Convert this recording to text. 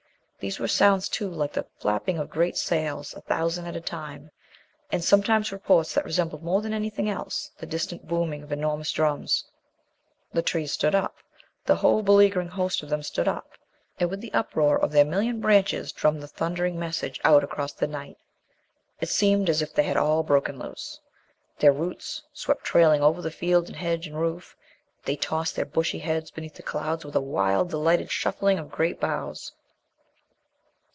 These were sounds, too, like the flapping of great sails, a thousand at a time, and sometimes reports that resembled more than anything else the distant booming of enormous drums. The trees stood up the whole beleaguering host of them stood up and with the uproar of their million branches drummed the thundering message out across the night. It seemed as if they had all broken loose. Their roots swept trailing over field and hedge and roof. They tossed their bushy heads beneath the clouds with a wild, delighted shuffling of great boughs.